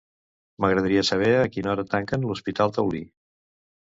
M'agradaria saber a quina hora tanquen l'hospital Taulí.